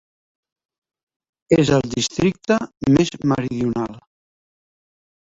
És el districte més meridional.